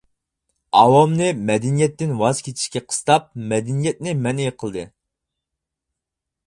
ئاۋامنى مەدەنىيەتتىن ۋاز كېچىشكە قىستاپ مەدەنىيەتنى مەنئى قىلدى.